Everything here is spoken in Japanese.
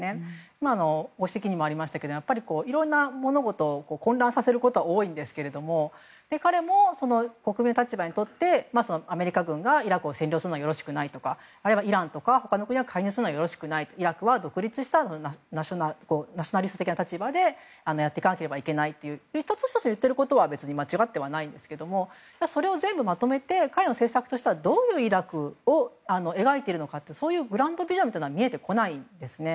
今のご指摘にもありましたがやっぱり、いろんな物事を混乱させることは多いですが彼も国民の立場になってアメリカ軍がイラクを占領するのはよろしくないとかイランとか、他の国が介入するのはよろしくないとかイラクは、独立したナショナリスト的な立場で、やっていかないといけないという１つ１つ言ってることは間違ってはいないですが全部まとめて彼の政策としてはどういうイラクを描いているのかというそういうグランドビジョンが見えてこないんですね。